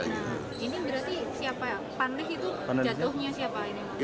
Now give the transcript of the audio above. ini berarti siapa ya panlih itu jaduhnya siapa ini